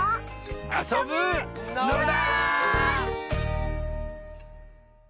あそぶのだ！